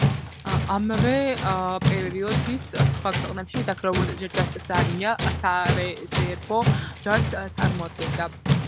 იმავე პერიოდის, სხვა ქვეყნებში დაქირავებულ ჯარისკაცთა არმია სარეზერვო ჯარს წარმოადგენდა.